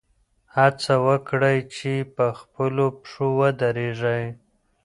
هڅه وکړئ چې په خپلو پښو ودرېږئ.